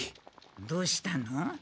どうしたの？